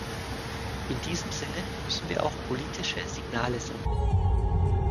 In diesem Sinne müssen wir auch politische Signale senden!